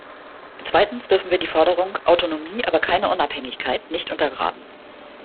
Zweitens dürfen wir die Forderung "Autonomie, aber keine Unabhängigkeit" nicht untergraben.